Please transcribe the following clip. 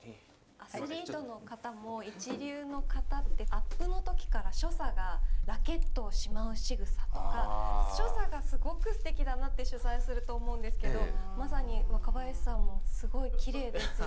アスリートの方も一流の方ってアップの時から所作がラケットをしまうしぐさとか所作がすごくすてきだなって取材すると思うんですけどまさに若林さんもすごいきれいですよね。